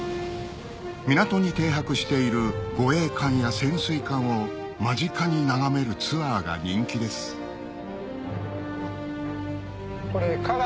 港に停泊している護衛艦や潜水艦を間近に眺めるツアーが人気です「から」？